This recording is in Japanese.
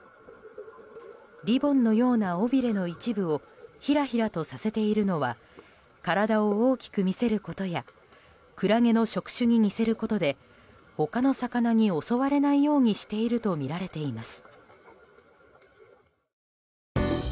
リボンのような尾びれの一部をひらひらとさせているのは体を大きく見せることやクラゲの触手に似せることで他の魚に襲われないようにしているとみられています。